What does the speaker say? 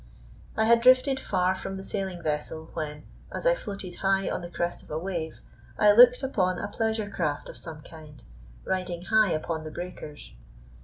I had drifted far from the sailing vessel, when, as I floated high on the crest of a wave, I looked upon a pleasure craft of some kind, riding high upon the breakers.